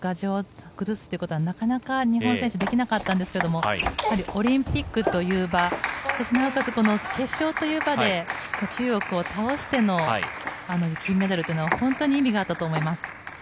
今まで中国の牙城を崩すことはなかなか日本選手ができなかったんですけど、オリンピックという場、なおかつ決勝という場で中国を倒しての金メダルというのは本当に意味があったと思います。